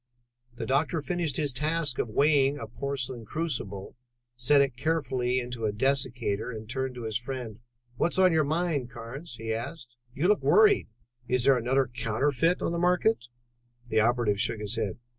The doctor finished his task of weighing a porcelain crucible, set it carefully into a dessicator, and turned to his friend. "What's on your mind, Carnes?" he asked. "You look worried. Is there another counterfeit on the market?" The operative shook his head.